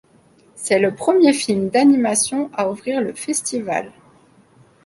C'est le premier film d'animation à ouvrir le festival.